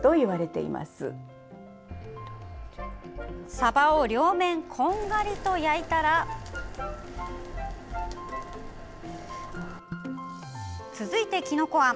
さばを両面こんがりと焼いたら続いて、きのこあん。